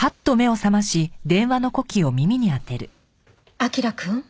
彬くん？